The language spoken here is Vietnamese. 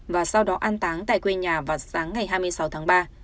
và sau đó an táng tại quê nhà vào sáng ngày hai mươi sáu tháng ba